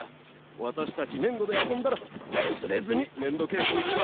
わたしたちねんどであそんだらわすれずにねんどケースにしまっておくれよ。